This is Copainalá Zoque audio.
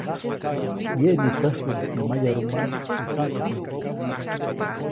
Wyeʼnitsäkuʼuŋ teʼ mayarumaʼis teʼ kuʼtkuʼy.